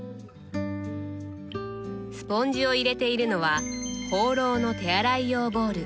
スポンジを入れているのはホーローの手洗い用ボウル。